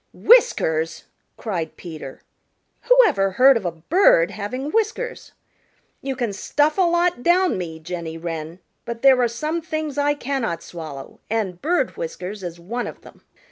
"Whiskers!" cried Peter. "Who ever heard of a bird having whiskers? You can stuff a lot down me, Jenny Wren, but there are some things I cannot swallow, and bird whiskers is one of them."